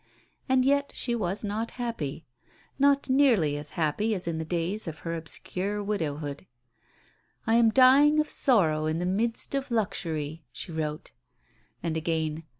And yet she was not happy not nearly as happy as in the days of her obscure widowhood. "I am dying of sorrow in the midst of luxury," she wrote. And again.